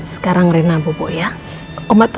sekarang reina bobo ya